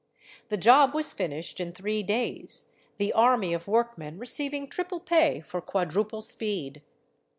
The job was finished in three days, the army of workmen receiving triple pay for quadruple speed.